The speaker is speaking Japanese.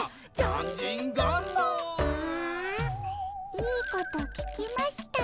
ああいいこと聞きました。